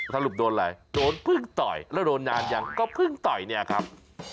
สรุปโดนอะไรโดนพึ่งต่อยแล้วโดนนานยังก็เพิ่งต่อยเนี่ยครับ